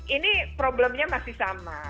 ini problemnya masih sama